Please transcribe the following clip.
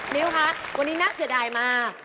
มิวคะวันนี้น่าเผื่อดายมา